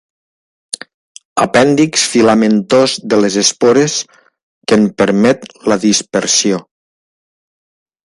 Apèndix filamentós de les espores, que en permet la dispersió.